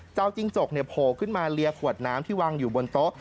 จิ้งจกโผล่ขึ้นมาเลียขวดน้ำที่วางอยู่บนโต๊ะ